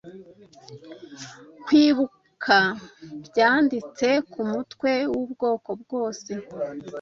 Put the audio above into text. Kwibuka byanditse kumutwe wubwoko bwose